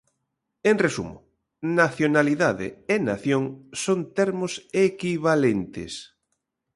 En resumo, nacionalidade e nación son termos equivalentes.